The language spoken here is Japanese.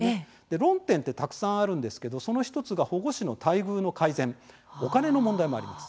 論点はたくさんですがその１つは保護司の待遇の改善お金の問題もあります。